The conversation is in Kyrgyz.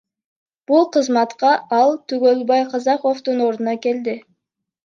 Бул кызматка ал Түгөлбай Казаковдун ордуна келди.